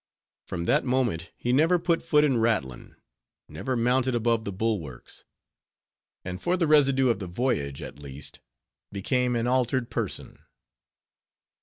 From that moment he never put foot in rattlin; never mounted above the bulwarks; and for the residue of the voyage, at least, became an altered person.